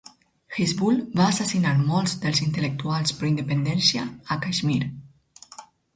Hizbul va assassinar molts dels intel·lectuals pro independència a Caixmir.